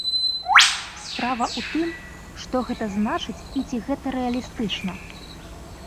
Справа ў тым, што гэта значыць і ці гэта рэалістычна?